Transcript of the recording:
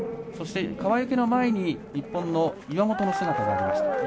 そして、川除の前に日本の岩本の姿がありました。